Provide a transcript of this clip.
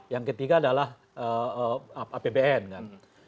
yang ketiga adalah apbn kan